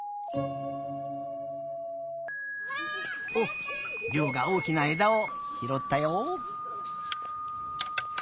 おっりょうがおおきなえだをひろったよ。